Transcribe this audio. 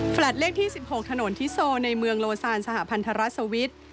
เลขที่๑๖ถนนทิโซในเมืองโลซานสหพันธรสวิทย์